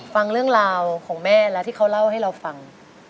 ฟังเรื่องราวของแม่แล้วที่เขาเล่าให้เราฟัง